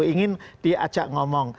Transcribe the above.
ingin diajak ngomong